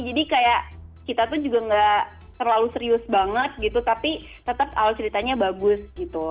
jadi kayak kita tuh juga nggak terlalu serius banget gitu tapi tetap alat ceritanya bagus gitu